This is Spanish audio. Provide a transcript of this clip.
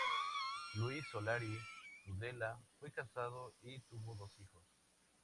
Luis Solari Tudela fue casado y tuvo dos hijos.